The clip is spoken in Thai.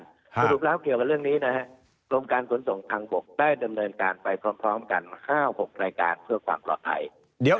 สรุปแล้วเกี่ยวกับเรื่องนี้นะฮะกรมการขนส่งทางบกได้ดำเนินการไปพร้อมกัน๕๖รายการเพื่อความปลอดภัย